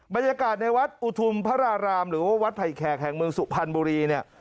บรรยากาศในวัดอุทุมพระรารามหรือว่าวัดไผ่แขกแห่งเมืองสุพรรณบุรีเนี่ย